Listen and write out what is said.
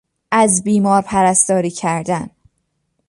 از بیمار پرستاری کردن